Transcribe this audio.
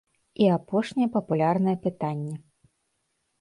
І апошняе папулярнае пытанне.